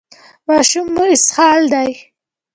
ماشوم مو اسهال دی؟